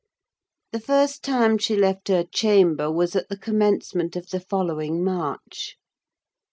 The first time she left her chamber was at the commencement of the following March.